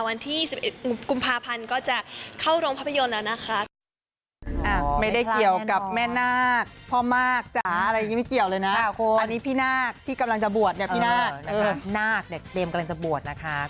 วันที่๑๑กุมภาพันธ์ก็จะเข้าโรงภาพยนตร์แล้วนะคะ